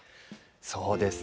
そうですね。